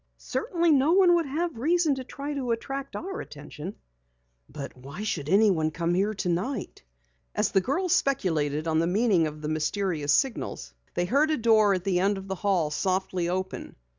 Certainly no one would have reason to try to attract our attention." "But why should anyone come here tonight?" As the girls speculated upon the meaning of the mysterious signals, they heard a door at the end of the hall softly open.